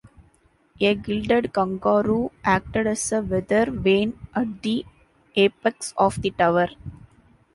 A gilded kangaroo acted as a weather vane at the apex of the tower.